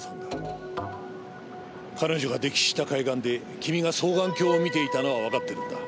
彼女が溺死した海岸で君が双眼鏡を見ていたのはわかってるんだ。